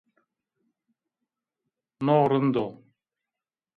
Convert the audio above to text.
No rind o.